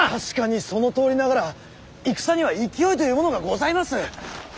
確かにそのとおりながら戦には勢いというものがございます。